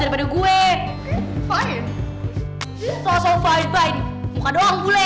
sampai jumpa lagi oke